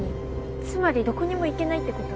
つまりどこにも行けないってこと？